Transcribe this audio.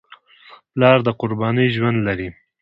پلار د قربانۍ ژوند لري.